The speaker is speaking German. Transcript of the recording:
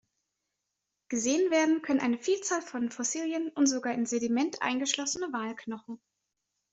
Gesehen werden können eine Vielzahl von Fossilien und sogar in Sediment eingeschlossene Walknochen.